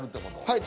はい。